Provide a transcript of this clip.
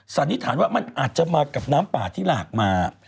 สันนิษฐานว่ามันอาจจะมากับน้ำป่าที่หลากมา